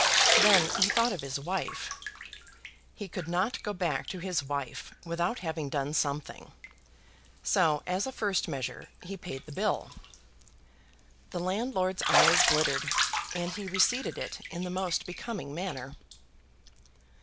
Then he thought of his wife. He could not go back to his wife without having done something; so, as a first measure, he paid the bill. The landlord's eyes glittered, and he receipted it in the most becoming manner.